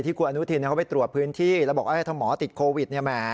ที่กลุ่มอนุทินเขาไปตรวจพื้นที่แล้วบอกว่าถ้าหมอติดโควิด